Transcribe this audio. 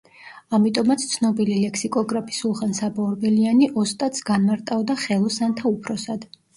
ამიტომაც ცნობილი ლექსიკოგრაფი სულხან-საბა ორბელიანი „ოსტატს“ განმარტავდა „ხელოსანთა უფროსად“.